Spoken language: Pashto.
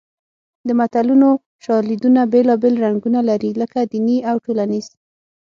د متلونو شالیدونه بېلابېل رنګونه لري لکه دیني او ټولنیز